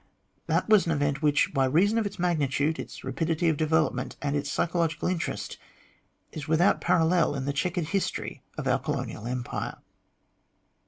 That was an event which, by reason of its magnitude, its rapidity of development, and its psychological interest, is without a parallel in the chequered history of our Colonial Empire.